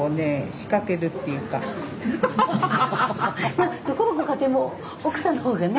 まあどこのご家庭も奥さんの方がね